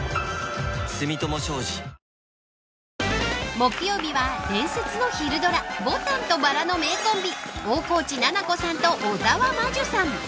木曜日は、伝説の昼ドラ「牡丹と薔薇」の名コンビ大河内奈々子さんと小沢真珠さん。